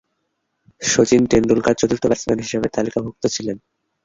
শচীন তেন্ডুলকর চতুর্থ ব্যাটসম্যান হিসাবে তালিকাভুক্ত ছিলেন।